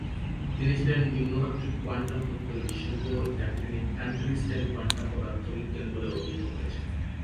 তিনি ছিলেন নিম্ন-মাত্রিক কোয়ান্টাম তত্ত্ব এর বিশেষজ্ঞ, যাকে তিনি "কান্ট্রি-স্টাইল কোয়ান্টাম পদার্থবিজ্ঞান" বলে অভিহিত করেছেন।